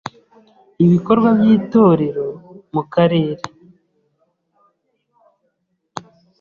ibikorwa by’Itorero mu Karere.